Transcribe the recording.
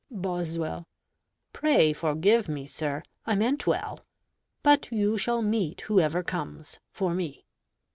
Boswell Pray forgive me, sir: I meant well. But you shall meet whoever comes, for me.